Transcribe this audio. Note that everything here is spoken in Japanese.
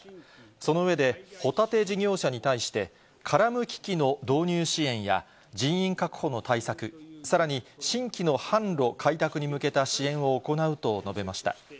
その上で、ホタテ事業者に対して、殻むき機の導入支援や人員確保の対策、さらに、新規の販路開拓に向けた支援を行うと述べました。